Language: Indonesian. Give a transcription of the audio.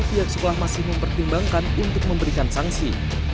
pihak sekolah masih mempertimbangkan untuk memberikan sanksi